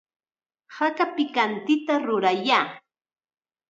Haka pikantita rurayay.